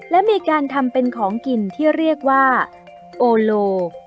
และมีการทำเป็นของกินที่เรียกว่าโอโล